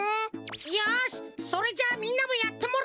よしそれじゃあみんなもやってもらおうぜ！